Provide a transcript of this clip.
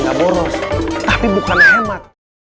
nggak boros tapi bukan hemat